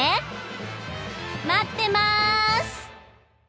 まってます！